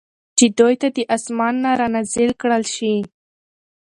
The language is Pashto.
چې دوی ته د آسمان نه را نازل کړل شي